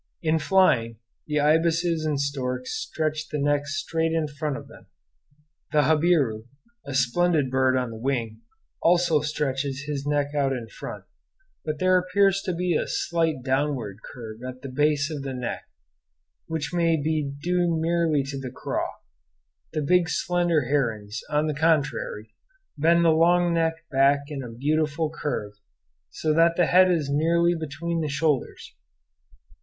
In flying, the ibises and storks stretch the neck straight in front of them. The jabiru a splendid bird on the wing also stretches his neck out in front, but there appears to be a slight downward curve at the base of the neck, which may be due merely to the craw. The big slender herons, on the contrary, bend the long neck back in a beautiful curve, so that the head is nearly between the shoulders.